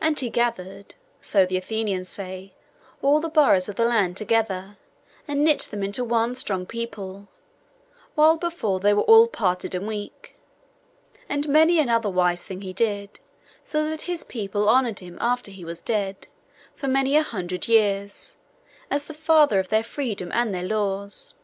And he gathered (so the Athenians say) all the boroughs of the land together, and knit them into one strong people, while before they were all parted and weak: and many another wise thing he did, so that his people honoured him after he was dead, for many a hundred years, as the father of their freedom and their laws.